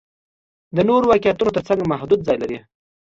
د نورو واقعیتونو تر څنګ محدود ځای لري.